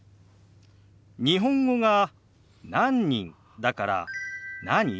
日本語が「何人」だから「何？」